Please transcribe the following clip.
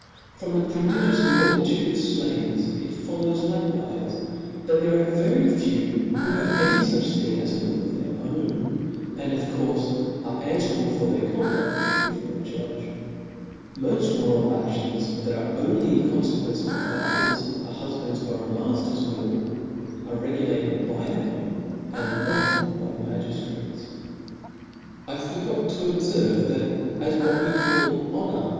From the prodigious multitude of flaves it follows, • Hkewife, that there are very few who have any fuch thing as a will of their own, and of courfe are anfwerable for their condudl before a judge^ Moft moral aftions, that are only in confequence of a father's, a hufband'^, or a mafter's will, are re gulated by them, and not by the magiftrates. I forgot to obferve, that as what we call honor.